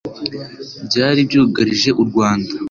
byari byugarije u Rwanda